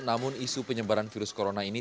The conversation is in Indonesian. namun isu penyebaran virus corona ini